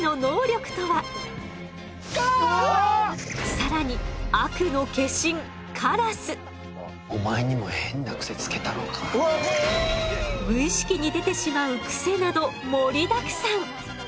更に悪の化身無意識に出てしまうクセなど盛りだくさん。